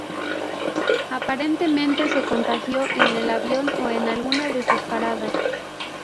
Aparentemente se contagió en el avión o en alguna de sus paradas.